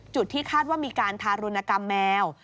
ที่คาดว่ามีการทารุณกรรมแมว